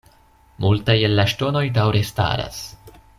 Multaj el la ŝtonoj daŭre staras.